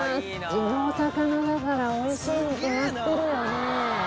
地のお魚だからおいしいに決まってるよね。